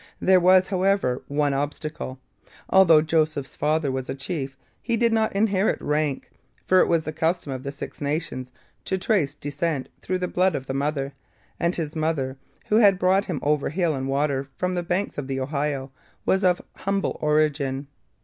There was, however, one obstacle; although Joseph's father was a chief, he did not inherit rank, for it was the custom of the Six Nations to trace descent through the blood of the mother, and his mother, who had brought him over hill and water from the banks of the Ohio, was of humble origin.